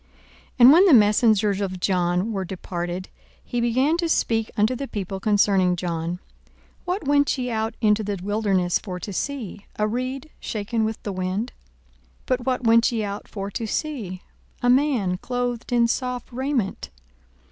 42:007:024 And when the messengers of John were departed, he began to speak unto the people concerning John, What went ye out into the wilderness for to see? A reed shaken with the wind? 42:007:025 But what went ye out for to see? A man clothed in soft raiment?